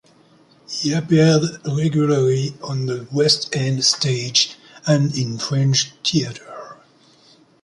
He appeared regularly on the West End stage and in fringe theatre.